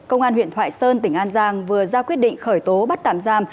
công an huyện thoại sơn tỉnh an giang vừa ra quyết định khởi tố bắt tạm giam